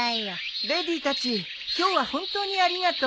レディーたち今日は本当にありがとう。